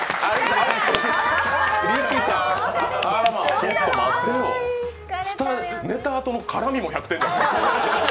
ちょっと待ってよ、ネタ後の絡みも１００点。